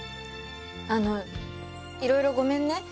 あのいろいろごめんね。